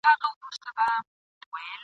چي لمانځنه يې د زړه له کومي